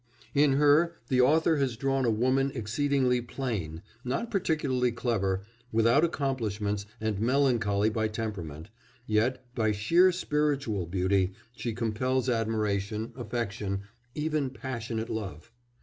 In her the author has drawn a woman exceedingly plain, not particularly clever, without accomplishments and melancholy by temperament, yet, by sheer spiritual beauty, she compels admiration, affection, even passionate love.